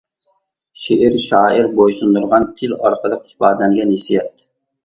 شېئىر-شائىر بويسۇندۇرغان تىل ئارقىلىق ئىپادىلەنگەن ھېسسىيات.